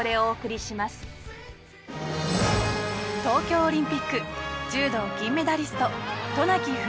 東京オリンピック柔道銀メダリスト渡名喜